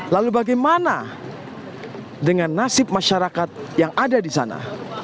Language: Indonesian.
lalu bagaimana dengan nasib masyarakat yang ada di sana